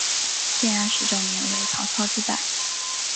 建安十九年为曹操击败。